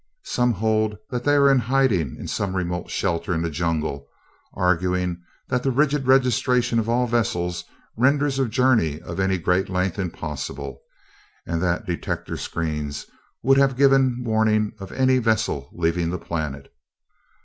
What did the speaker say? Some hold that they are in hiding in some remote shelter in the jungle, arguing that the rigid registration of all vessels renders a journey of any great length impossible and that the detector screens would have given warning of any vessel leaving the planet.